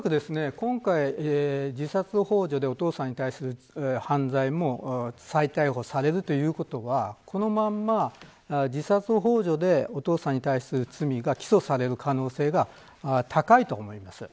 おそらく今回、自殺ほう助でお父さんに対する犯罪も再逮捕されるということはこのまま自殺ほう助でお父さんに対する罪が起訴される可能性が高いと思います。